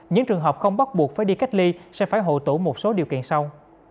những trường hợp không bắt buộc phải đi cách ly sẽ phải hộ tủ một số điều kiện sau